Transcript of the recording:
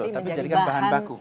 tapi menjadikan bahan baku